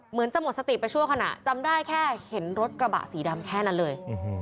เหมือนจะหมดสติไปชั่วขณะจำได้แค่เห็นรถกระบะสีดำแค่นั้นเลย